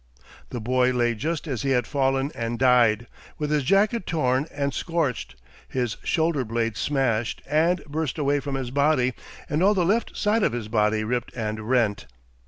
The boy lay just as he had fallen and died, with his jacket torn and scorched, his shoulder blade smashed and burst away from his body and all the left side of his body ripped and rent.